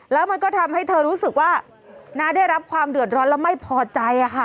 แล้วมันก็ทำให้เธอรู้สึกว่าน้าได้รับความเดือดร้อนแล้วไม่พอใจค่ะ